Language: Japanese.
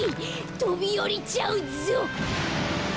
とびおりちゃうぞ。